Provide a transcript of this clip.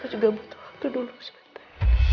saya juga butuh waktu dulu sebentar